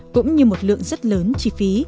cũng như một lượng rất lớn chi phí